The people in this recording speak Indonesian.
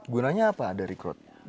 gunanya apa ada record drying